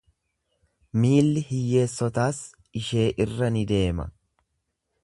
Miilli hiyyeessotaas ishee irra ni deema.